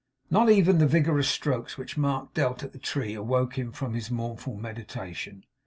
Not even the vigorous strokes which Mark dealt at the tree awoke him from his mournful meditation.